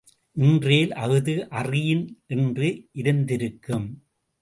இன்றேல் அஃது அறியின் என்று இருந்திருக்கும்.